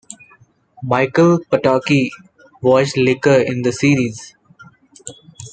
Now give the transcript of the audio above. Michael Pataki voiced Liquor in the series.